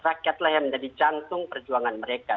rakyatlah yang menjadi jantung perjuangan mereka